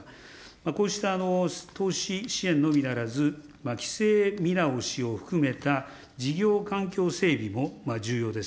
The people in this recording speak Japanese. こうした投資支援のみならず、規制見直しを含めた事業環境整備も重要です。